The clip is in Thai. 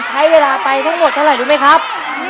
ใช้เวลาไปทั้งหมดเท่าไหร่รู้ไหมครับ